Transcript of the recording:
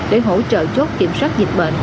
để hỗ trợ chốt kiểm soát dịch bệnh